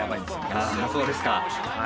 あそうですか。